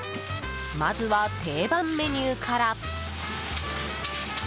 まずは、定番メニューから。